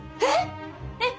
えっ！？